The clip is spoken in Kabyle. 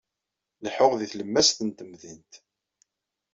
Leḥḥuɣ di tlemmast n temdint.